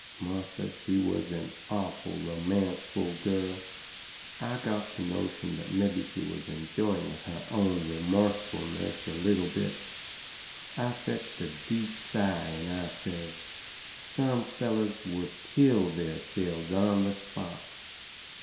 Martha, she was an awful romanceful girl. I got the notion that mebby she was enjoying her own remorsefulness a little bit. I fetched a deep sigh and I says: "Some fellers would kill theirselves on the spot!"